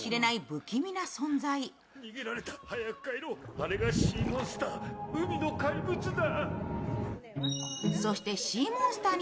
あれがシー・モンスター海の怪物だ。